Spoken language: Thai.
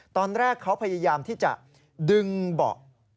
ตอนแรกเขาพยายามที่จะดึงเบาะ